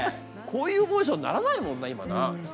こういうモーションにならないもんな今な。